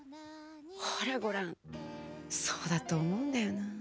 ほらごらんそうだと思うんだよな。